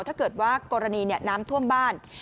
ถ้าเกิดว่ากรณีน้ำท่วมบ้าน